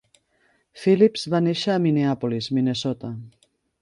Phillips va néixer a Minneapolis, Minnesota.